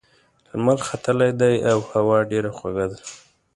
لمر ختلی دی او هوا ډېره خوږه ده.